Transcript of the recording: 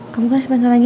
kamu kan sebentar lagi